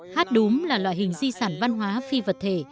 hát đốm là loại hình di sản văn hóa phi vật thể